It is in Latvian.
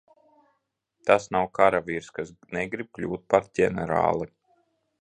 Tas nav karavīrs, kas negrib kļūt par ģenerāli.